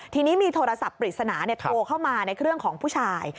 ทีนี้มีโทรศัพท์ปริศนาโทรเข้ามาในเครื่องของผู้ชาย